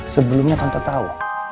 sebelumnya tante tahu